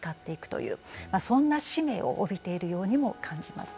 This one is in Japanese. そんな使命を帯びているようにも感じます。